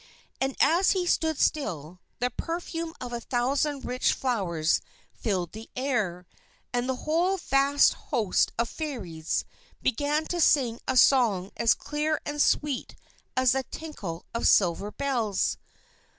And as he stood still, the perfume of a thousand rich flowers filled the air, and the whole vast host of Fairies began to sing a song as clear and sweet as the tinkle of silver bells.